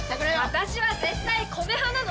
私は絶対米派なの！